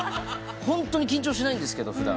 ホントに緊張しないんですけど普段。